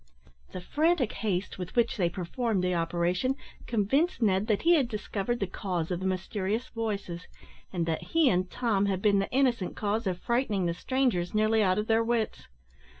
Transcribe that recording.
The frantic haste with which they performed the operation convinced Ned that he had discovered the cause of the mysterious voices, and that he and Tom had been the innocent cause of frightening the strangers nearly out of their wits.